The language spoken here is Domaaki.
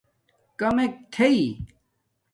کامک تھݵ